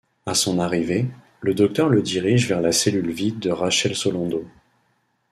À son arrivée, le docteur le dirige vers la cellule vide de Rachel Solando.